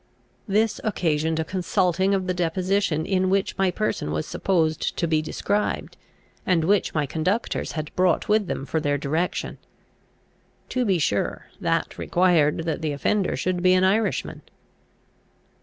This occasioned a consulting of the deposition in which my person was supposed to be described, and which my conductors had brought with them for their direction. To be sure, that required that the offender should be an Irishman.